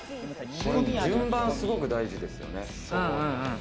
これ、順番すごく大事ですよね。